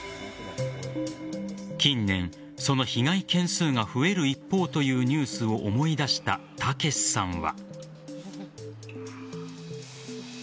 近年、その被害件数が増える一方というニュースを思い出した剛さんは。